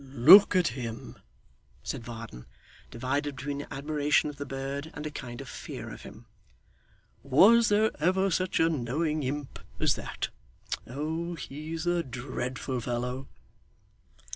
'Look at him!' said Varden, divided between admiration of the bird and a kind of fear of him. 'Was there ever such a knowing imp as that! Oh he's a dreadful fellow!